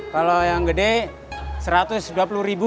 kalau yang gede rp satu ratus dua puluh ribu